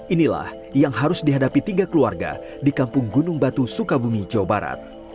inilah yang harus dihadapi tiga keluarga di kampung gunung batu sukabumi jawa barat